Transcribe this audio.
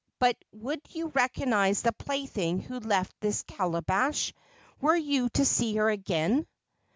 But would you recognize the plaything who left this calabash, were you to see her again?"